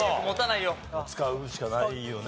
使うしかないよね。